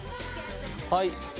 はい。